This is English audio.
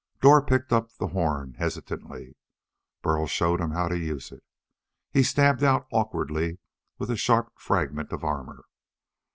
Dor picked up the horn hesitantly, Burl showing him how to use it. He stabbed out awkwardly with the sharp fragment of armor.